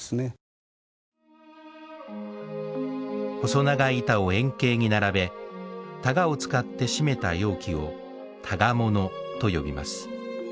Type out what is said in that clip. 細長い板を円形に並べ箍を使って締めた容器を箍物と呼びます。